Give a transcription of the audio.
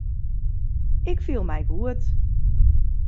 Ik fiel my goed.